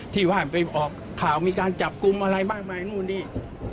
ที่ว่าไปออกข่าวมีการจับกลุ่มอะไรมากมายนู่นนี่